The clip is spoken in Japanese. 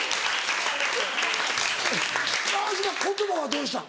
川島言葉はどうしたん？